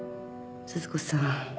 鈴子さん。